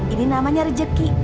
ini namanya rejeki